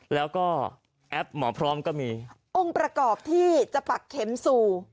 แล้วก็แอปหมอพร้อมก็มีองค์ประกอบที่จะปักเข็มสู่